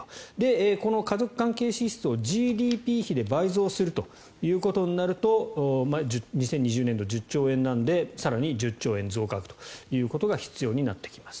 この家族関係支出を、ＧＤＰ比で倍増するということになると２０２０年度、１０兆円なので更に１０兆円増額ということが必要になってきます。